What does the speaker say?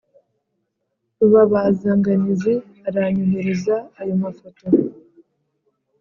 Rubabazanganizi aranyohereza ayo mafoto